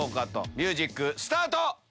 ミュージックスタート！